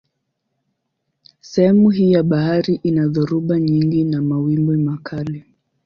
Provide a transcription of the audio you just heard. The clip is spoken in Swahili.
Sehemu hii ya bahari ina dhoruba nyingi na mawimbi makali.